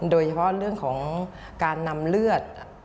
โดยเฉพาะเรื่องของการนำเลือด